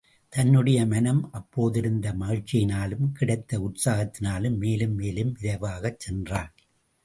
தன்னுடைய மனம் அப்போதிருந்த மகிழ்ச்சியினாலும் கிடைத்த உற்சாகத்தினாலும் மேலும் மேலும் விரைவாகச் சென்றான்.